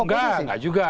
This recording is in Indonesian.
enggak enggak juga